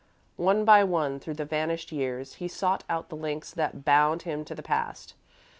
One by one, through the vanished years, he sought out the links that bound him to the past.